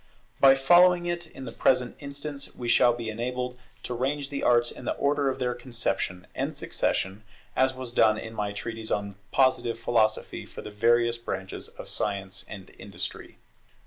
By following it in the present instance, we shall be enabled to range the arts in the order of their conception and succession, as was done in my Treatise on Positive Philosophy for the various branches of Science and Industry.